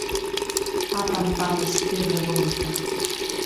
Apampados, que vergonza.